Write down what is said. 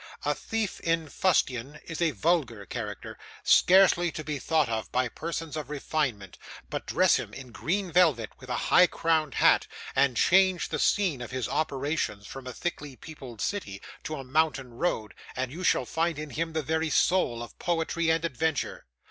A thief in fustian is a vulgar character, scarcely to be thought of by persons of refinement; but dress him in green velvet, with a high crowned hat, and change the scene of his operations, from a thickly peopled city, to a mountain road, and you shall find in him the very soul of poetry and adventure.